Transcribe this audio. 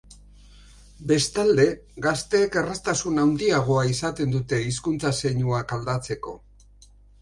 Bestalde, gazteek erraztasun handiagoa izaten dute hizkuntza zeinuak aldatzeko.